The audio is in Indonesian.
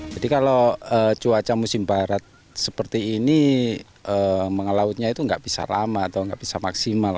jadi kalau cuaca musim barat seperti ini mengelautnya itu nggak bisa lama atau nggak bisa maksimal